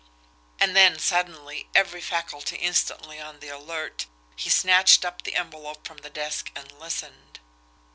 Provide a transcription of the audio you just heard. And then, suddenly, every faculty instantly on the alert, he snatched up the envelope from the desk, and listened.